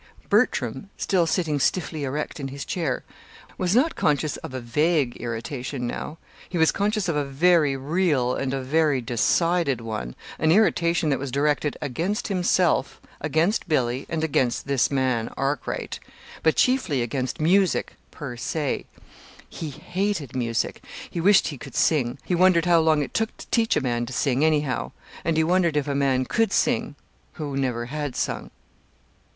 Bertram, still sitting stiffly erect in his chair, was not conscious of a vague irritation now. He was conscious of a very real, and a very decided one an irritation that was directed against himself, against Billy, and against this man, Arkwright; but chiefly against music, per se. He hated music. He wished he could sing. He wondered how long it took to teach a man to sing, anyhow; and he wondered if a man could sing who never had sung.